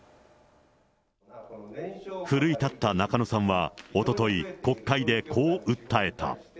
奮い立った中野さんは、おととい、国会でこう訴えた。